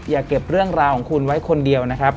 อย่าเก็บเรื่องราวของคุณไว้คนเดียวนะครับ